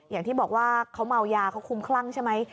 อย่างที่บอกว่าเขาเมายาเขาคุ้มคลั่งใช่ไหม